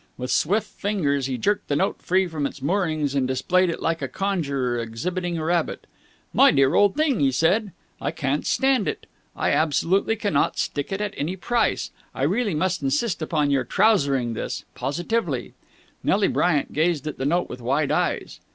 With swift fingers he jerked the note free from its moorings and displayed it like a conjurer exhibiting a rabbit. "My dear old thing," he said, "I can't stand it! I absolutely cannot stick it at any price! I really must insist on your trousering this. Positively!" Nelly Bryant gazed at the note with wide eyes.